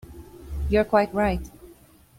You are quite right.